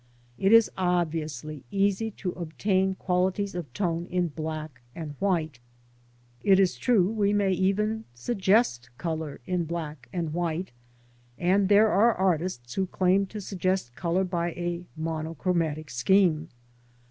It is obviously easy to obtain qualities of tone in black and white. It is true we may even suggest colour in black and white, and there are artists who claim to suggest colour by a mono chromatic scheme.